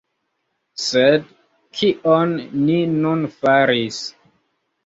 Sed kion ni nun faris?